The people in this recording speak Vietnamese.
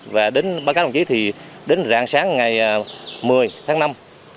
và đến báo cáo đồng chí thì đến rạng sáng ngày một mươi tháng năm năm hai nghìn hai mươi ba